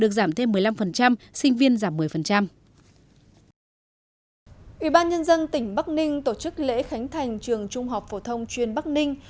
ủy ban nhân dân tỉnh bắc ninh tổ chức lễ khánh thành trường trung học phổ thông chuyên bắc ninh